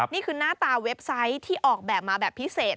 นี่คือหน้าตาเว็บไซต์ที่ออกแบบมาแบบพิเศษ